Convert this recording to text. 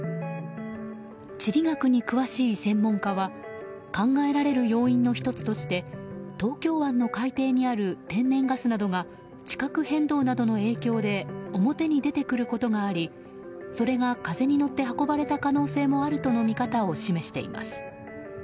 地理学に詳しい専門家は考えられる要因の１つとして東京湾の海底にある天然ガスなどが地殻変動などの影響で表に出てくることがありそれが風に乗って運ばれた可能性もあるとの見方を示しています。